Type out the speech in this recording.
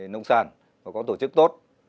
nông sản có tổ chức tốt